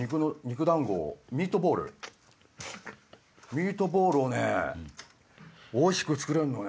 ミートボールをねおいしく作れんのね。